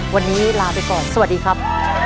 วันนี้ลาไปก่อนสวัสดีครับ